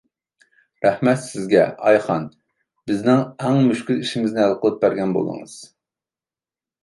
رەھمەت سىزگە، ئايخان، بىزنىڭ ئەڭ مۈشكۈل ئىشىمىزنى ھەل قىلىپ بەرگەن بولدىڭىز.